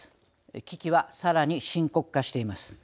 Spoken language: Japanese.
危機はさらに深刻化しています。